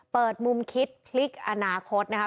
เปิดมุมคิดพลิกอนาคตนะคะ